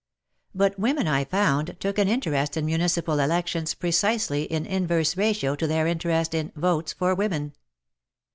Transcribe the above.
But women, 1 found, took an interest in municipal elections precisely in inverse ratio to their interest in "Votes for Women."